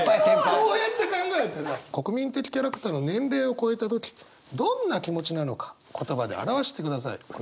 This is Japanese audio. そうやって考えたら国民的キャラクターの年齢を超えた時どんな気持ちなのか言葉で表してください。